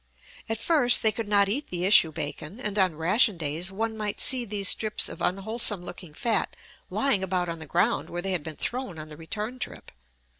At first they could not eat the issue bacon, and on ration days one might see these strips of unwholesome looking fat lying about on the ground where they had been thrown on the return trip.